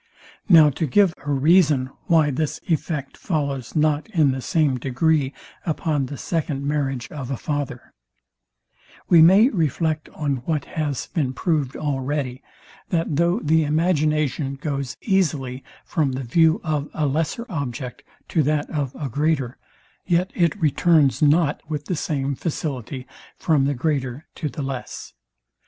Now to give a reason, why this effect follows not in the same degree upon the second marriage of a father: we may reflect on what has been proved already, that though the imagination goes easily from the view of a lesser object to that of a greater, yet it returns not with the same facility from the greater to the less.